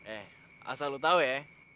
eh asal lu tahu ya